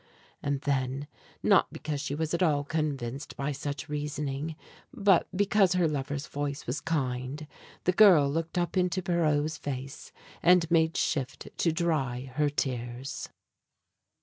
And then, not because she was at all convinced by such reasoning, but because her lover's voice was kind, the girl looked up into Pierrot's face and made shift to dry her tears.